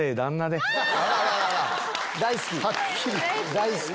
大好き？